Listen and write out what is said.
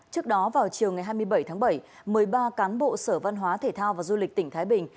trước đó vào chiều ngày hai mươi bảy tháng bảy một mươi ba cán bộ sở văn hóa thể thao và du lịch tỉnh thái bình